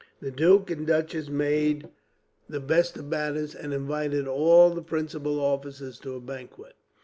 The duke and duchess made the best of matters, and invited all the principal officers to a banquet.